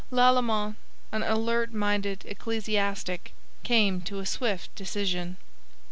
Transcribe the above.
Lalemant, an alert minded ecclesiastic, came to a swift decision.